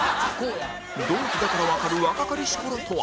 同期だからわかる若かりし頃とは？